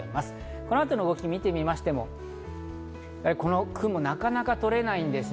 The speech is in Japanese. この後の動きを見てもこの雲がなかなか取れないんですね。